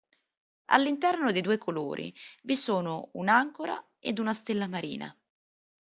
All'interno dei due colori, vi sono un ancora ed una stella marina.